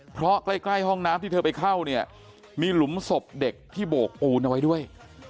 เพราะใกล้ห้องน้ำที่เธอไปเข้าเนี่ยมีหลุมศพเด็กที่โบกปูนเอาไว้ด้วย